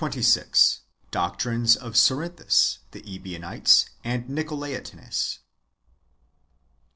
— Doctrines of CerinthuSy the EbioniteSj and Nicolaitanes.